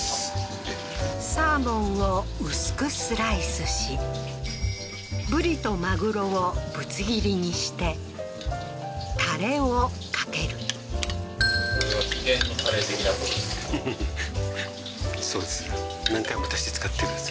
サーモンを薄くスライスしブリとマグロをぶつ切りにしてタレをかけるこれは秘伝のタレ的なことですか？